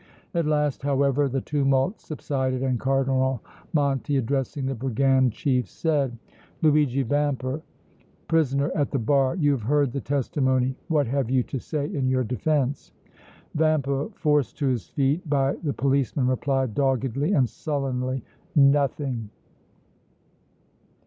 At last, however, the tumult subsided and Cardinal Monti, addressing the brigand chief, said: "Luigi Vampa, prisoner at the bar, you have heard the testimony. What have you to say in your defense?" Vampa forced to his feet by the policemen replied, doggedly and sullenly: "Nothing!"